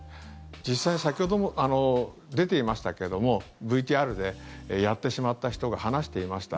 実際に先ほども出ていましたけどもＶＴＲで、やってしまった人が話していました。